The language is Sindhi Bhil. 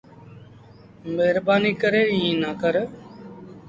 مهربآݩيٚ ڪري ايٚݩ نا ڪر